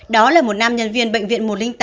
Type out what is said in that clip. đó là một nam nhân viên bệnh viện một trăm linh tám